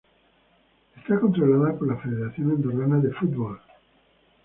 Es controlada por la Federación Andorrana de Fútbol.